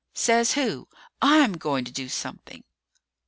"Says who? I'm going to do something!"